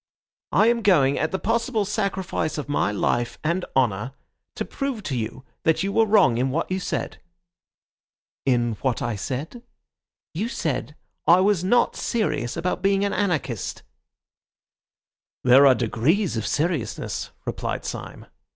I am going, at the possible sacrifice of my life and honour, to prove to you that you were wrong in what you said." "In what I said?" "You said I was not serious about being an anarchist." "There are degrees of seriousness," replied Syme.